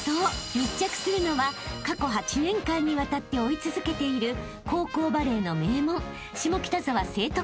密着するのは過去８年間にわたって追い続けている高校バレーの名門下北沢成徳高校］